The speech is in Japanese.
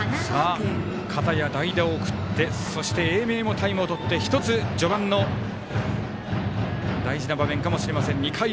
かたや代打を送ってそして、英明もタイムをとって１つ序盤の大事な場面かもしれません。